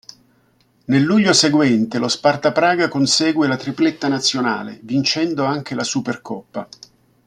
Nel luglio seguente lo Sparta Praga consegue la tripletta nazionale, vincendo anche la Supercoppa.